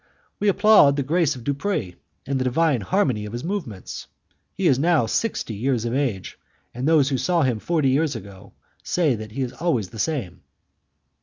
"We applaud the grace of Dupres and, the divine harmony of his movements. He is now sixty years of age, and those who saw him forty years ago say that he is always the same."